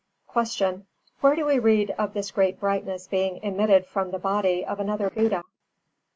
341. Q. _Where do we read of this great brightness being emitted from the body of another Buddha?